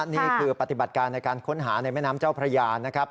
นี่คือปฏิบัติการในการค้นหาในแม่น้ำเจ้าพระยานะครับ